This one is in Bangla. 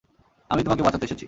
আমিই তোমাকে বাঁচাতে এসেছি।